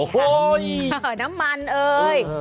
โอ้โฮน้ำมันเอ้ย